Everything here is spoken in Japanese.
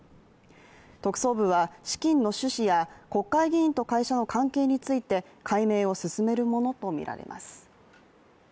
特捜部は資金の趣旨や国会議員と会社の関係について解明を進めるものとみられます。